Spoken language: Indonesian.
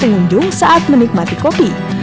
pengunjung saat menikmati kopi